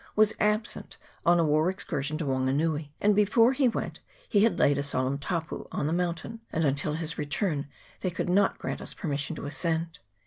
347 was absent on a war excursion to Wanganui, and before he went he had laid a solemn " tapu " on the mountain, and until his return they could not grant us permission to ascend it.